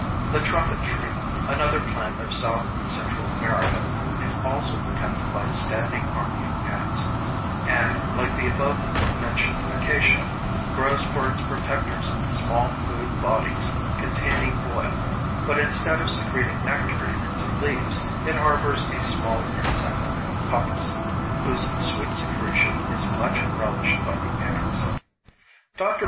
The trumpet tree, another plant of South and Central America, is also protected by a standing army of ants; and, like the above mentioned acacia, grows for its protectors small food bodies containing oil, but instead of secreting nectar in its leaves it harbors a small insect (coccus), whose sweet secretion is much relished by the ants. Dr.